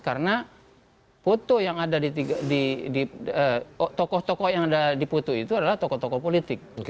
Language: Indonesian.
karena foto yang ada di tokoh tokoh yang ada di putu itu adalah tokoh tokoh politik